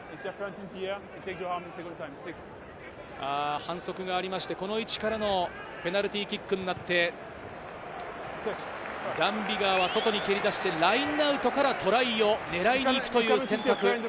反則がありまして、この位置からのペナルティーキックになって、ダン・ビガーは外に蹴り出して、ラインアウトからトライを狙いに行くという選択。